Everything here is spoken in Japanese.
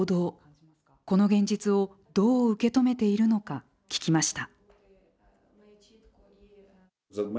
この現実をどう受け止めているのか聞きました。